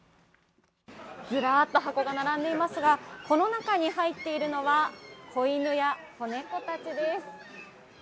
ずらっと箱が並んでいますが、この中に入っているのは子犬や子猫たちです。